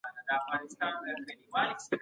فلم جوړونکو نوي افغاني فلمونه جوړول.